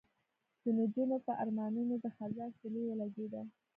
د نجونو په ارمانونو د خزان سیلۍ ولګېده